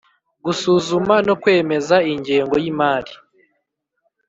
Gusuzuma no kwemeza ingengo y imari